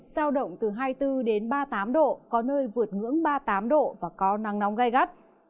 giao động từ hai mươi bốn đến ba mươi tám độ có nơi vượt ngưỡng ba mươi tám độ và có nắng nóng gai gắt